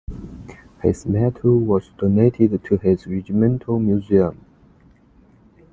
His medal was donated to his regimental museum.